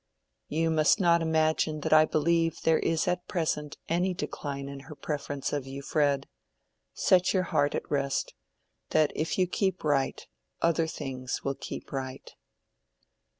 "You must not imagine that I believe there is at present any decline in her preference of you, Fred. Set your heart at rest, that if you keep right, other things will keep right."